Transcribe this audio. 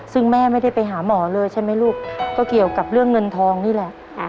ซึ่งแม่ไม่ได้ไปหาหมอเลยใช่ไหมลูกก็เกี่ยวกับเรื่องเงินทองนี่แหละ